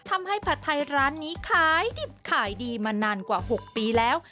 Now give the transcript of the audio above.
ผัดไทยร้านนี้ขายดิบขายดีมานานกว่า๖ปีแล้ว